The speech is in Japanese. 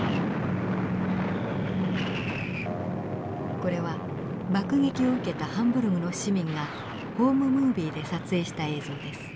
これは爆撃を受けたハンブルグの市民がホームムービーで撮影した映像です。